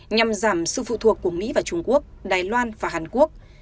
nhằm giảm sự phụ thuộc của mỹ và trung quốc đài loan và hàn quốc